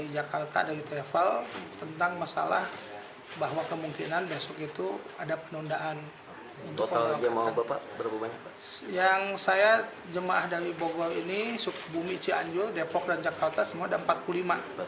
jemaah ini sukalbumi cianjur depok dan jakarta semua ada empat puluh lima